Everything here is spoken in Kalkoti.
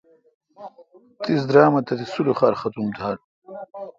تیس درام تتی سلوخار ختُم تھال۔